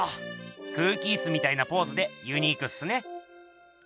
空気イスみたいなポーズでユニークっすね。